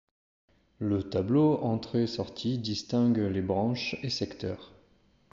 Le tableau entrées-sorties distingue les branches et secteurs.